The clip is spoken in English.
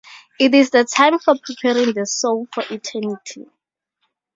It is the time for preparing the soul for eternity.